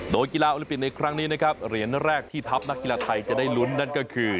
โดยกีฬาโอลิมปิกในครั้งนี้นะครับเหรียญแรกที่ทัพนักกีฬาไทยจะได้ลุ้นนั่นก็คือ